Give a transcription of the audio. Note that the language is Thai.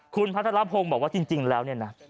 คุณพัทรพงศ์บอกว่าจริงแล้วเนี่ยนะ